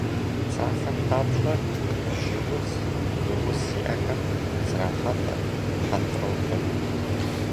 Псалъэм папщӏэ, жьы уз, бгы уз зиӏэхэм зрахьэлӏэ хьэнтӏропӏыр.